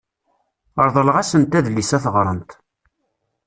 Reḍleɣ-asent adlis ad t-ɣrent.